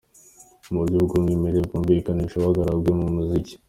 mu buryo bwumwimerere bwumvikanisha ubuhanga bwe mu muziki.